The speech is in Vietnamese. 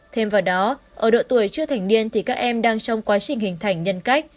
thêm vào đó ở độ tuổi chưa thành niên thì các em đang trong quá trình hình thành nhân cách